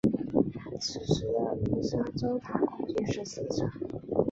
此时的鸣沙洲塔共计十四层。